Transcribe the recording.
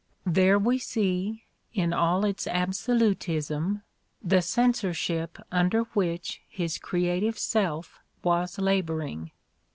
There we see, in all its absolutism, the censorship under which his creative self was laboring.